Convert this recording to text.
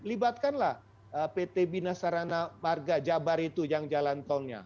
libatkanlah pt binasarana marga jabar itu yang jalan tolnya